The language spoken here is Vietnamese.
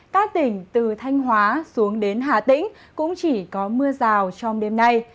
các tỉnh từ thanh hóa xuống đến hà tĩnh cũng chỉ có mưa rào trong đêm nay